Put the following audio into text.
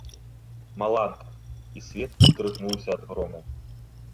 Маланка, і свет уздрыгануўся ад грому.